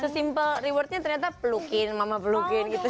sesimpel rewardnya ternyata pelukin mama pelukin gitu